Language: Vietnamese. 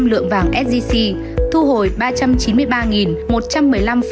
một trăm bảy mươi năm lượng vàng sgc thu hồi ba trăm chín mươi ba một trăm một mươi năm ba m hai